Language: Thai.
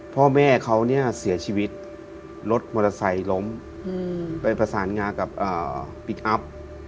พ่อแม่เขาเนี่ยเสียชีวิตรถมอเตอร์ไซค์ล้มไปประสานงากับพลิกอัพ